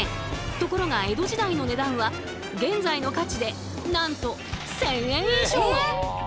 ところが江戸時代の値段は現在の価値でなんと１，０００円以上！